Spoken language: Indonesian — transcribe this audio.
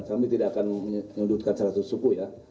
kami tidak akan menyudutkan seratus suku ya